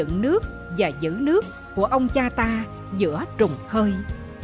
dựng nước và giữ nước của ông cha ta giữa trùng khơi